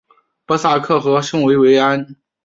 波萨克和圣维维安。